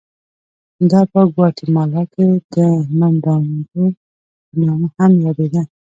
دا په ګواتیمالا کې د منډامینټو په نامه هم یادېده.